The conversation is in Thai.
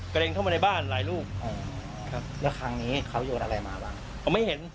กระเด็นเข้ามาในบ้านหลายลูกอ๋อครับแล้วครั้งนี้เขาโยนอะไรมาบ้าง